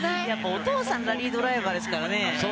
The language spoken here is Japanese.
お父さんがラリードライバーですからね。